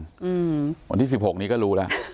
ส่วนที่สิบหกนี้ก็รู้ล่ะ